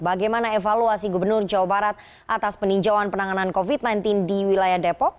bagaimana evaluasi gubernur jawa barat atas peninjauan penanganan covid sembilan belas di wilayah depok